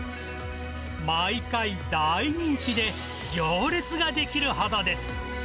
毎回、大人気で、行列が出来るほどです。